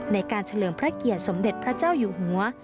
ในการเฉลิมพระเกียรติสมเด็จพระเจ้าอยู่หัว